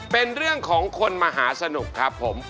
เป็นเรื่องของคนมหาสนุกครับผม